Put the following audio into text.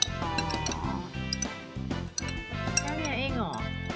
แค่นี้เองเหรอ